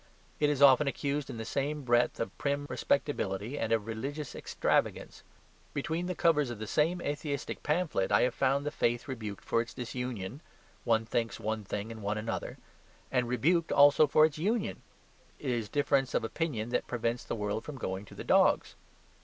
It is often accused in the same breath of prim respectability and of religious extravagance. Between the covers of the same atheistic pamphlet I have found the faith rebuked for its disunion, "One thinks one thing, and one another," and rebuked also for its union, "It is difference of opinion that prevents the world from going to the dogs."